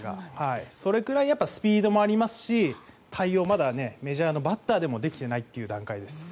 それくらいスピードもありますしまだメジャーのバッターでも対応できていないという段階です。